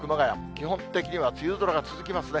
基本的には梅雨空が続きますね。